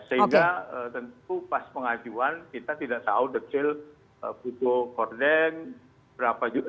sehingga tentu pas pengajuan kita tidak tahu detail butuh korden berapa juga